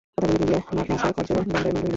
কথাগুলি বলিয়া নাগ-মহাশয় করজোড়ে দণ্ডায়মান রহিলেন।